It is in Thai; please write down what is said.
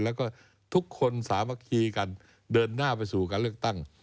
แล้วก็ทุกคนสามัคคีกันเดินหน้าไปสู่การเลือกตั้ง